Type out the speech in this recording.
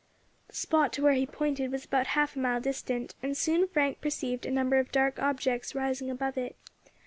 The spot to where he pointed was about half a mile distant, and soon Frank perceived a number of dark objects rising above it.